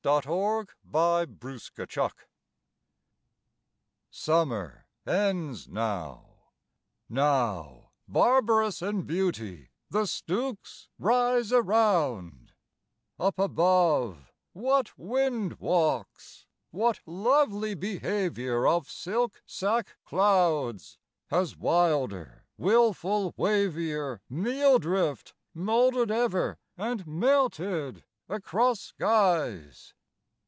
14 Hurrahing in Harvest SUMMER ends now; now, barbarous in beauty, the stooks rise Around; up above, what wind walks! what lovely behaviour Of silk sack clouds! has wilder, wilful wavier Meal drift moulded ever and melted across skies?